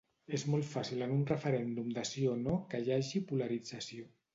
És molt fàcil en un referèndum de sí o no que hi hagi polarització.